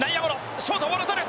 ショート、ボール捕る。